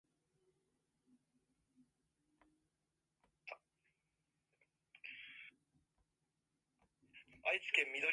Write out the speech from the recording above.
私は本を読むことが好きです。